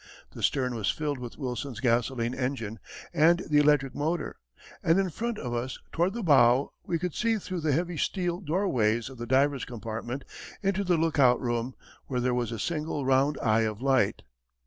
The stern was filled with Wilson's gasoline engine and the electric motor, and in front of us toward the bow we could see through the heavy steel doorways of the diver's compartment into the lookout room, where there was a single round eye of light.